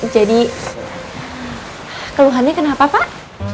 jadi keluhannya kenapa pak